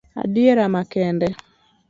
Adieri makende